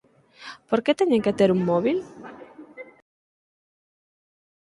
Por que teñen que ter un móbil?